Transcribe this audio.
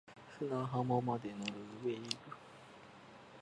砂浜まで乗る wave